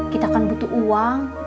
kita kan butuh uang